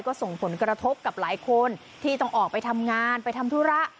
ก็ส่งผลกระทบกับหลายคนที่ต้องออกไปทำงานไปทำธุระ